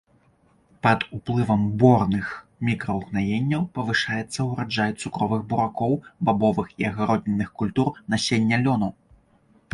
Пад уплывам борных мікраўгнаенняў павышаецца ўраджай цукровых буракоў, бабовых і агароднінных культур, насення лёну.